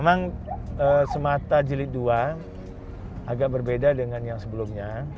memang semata jelit dua agak berbeda dengan yang sebelumnya